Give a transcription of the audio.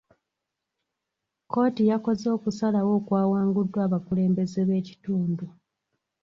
kkooti yakoze okusalawo okwawanguddwa abakulembeze b'ekitundu.